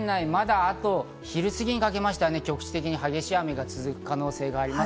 福井県内、まだあと昼過ぎにかけまして局地的に激しい雨が続く可能性があります。